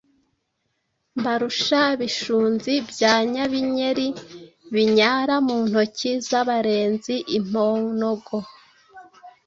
Mbarusha Bishunzi bya Nyabinyeri binyara mu ntoki z’abarenzi imponogo